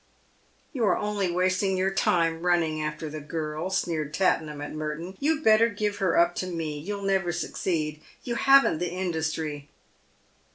" You are only wasting your time running after the girl," sneered Tattenham at Merton; "you had better give her up to me. You'll never succeed. You haven't, the industry."